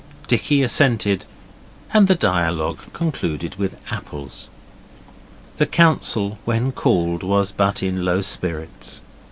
Dicky assented, and the dialogue concluded with apples. The council, when called, was in but low spirits.